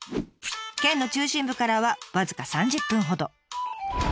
県の中心部からは僅か３０分ほど。